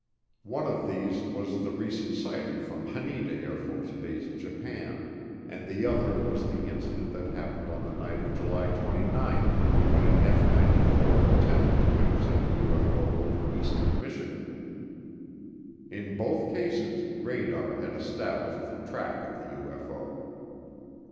One of these was the recent sighting from Haneda AFB, Japan, and the other was the incident that happened on the night of July 29, when an F 94 attempted to intercept a UFO over eastern Michigan. In both cases radar had established the track of the UFO.